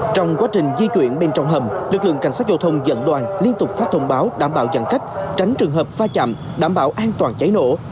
trong quá trình di chuyển bên trong hầm lực lượng cảnh sát giao thông dẫn đoàn liên tục phát thông báo đảm bảo giãn cách tránh trường hợp pha chạm đảm bảo an toàn cháy nổ